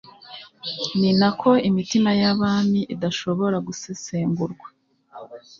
ni na ko imitima y’abami idashobora gusesengurwa